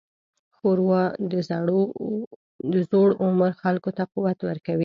ښوروا د زوړ عمر خلکو ته قوت ورکوي.